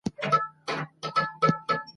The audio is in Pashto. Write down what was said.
کوربه هیواد نړیوال قانون نه نقض کوي.